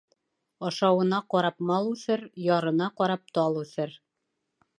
Ашауына ҡарап мал үҫер, Ярына ҡарап тал үҫер.